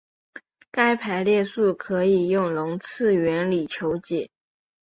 该排列数可以用容斥原理求解。